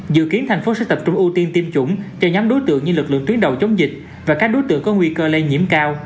dự kiến thành phố sẽ tập trung ưu tiên tiêm chủng cho nhóm đối tượng như lực lượng tuyến đầu chống dịch và các đối tượng có nguy cơ lây nhiễm cao